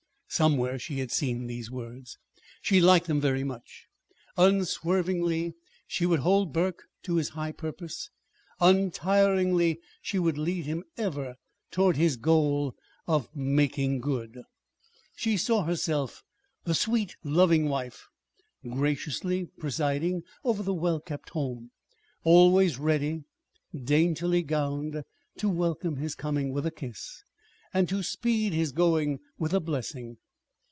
(Somewhere she had seen those words. She liked them very much.) Unswervingly she would hold Burke to his high purpose. Untiringly she would lead him ever toward his goal of "making good." She saw herself the sweet, loving wife, graciously presiding over the well kept home, always ready, daintily gowned, to welcome his coming with a kiss, and to speed his going with a blessing.